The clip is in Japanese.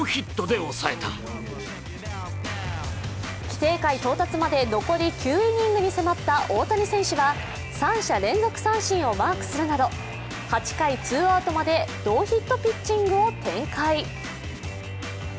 規定回到達まで残り９イニングに迫った大谷選手は３者連続三振をマークするなど８回ツーアウトまでノーヒットピッチングを展開。